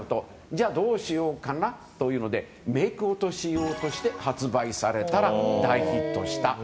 じゃあどうしようかなということでメイク落とし用として発売されたら大ヒットした。